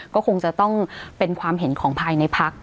ก็คงจะต้องเป็นความเห็นของภายในพัก